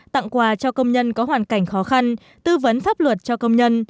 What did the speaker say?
tặng quà cho công nhân có hoàn cảnh khó khăn tư vấn pháp luật cho công nhân